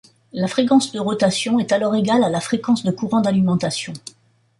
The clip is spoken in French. La fréquence de rotation est alors égale à la fréquence de courants d'alimentation.